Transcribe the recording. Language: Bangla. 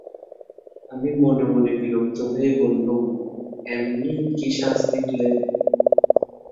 আমি মনে মনে বিরক্ত হয়ে বললুম, এমনিই কি সাজ দেখলে?